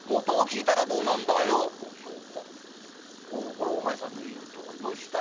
これはお前さんの言うとおりどうした？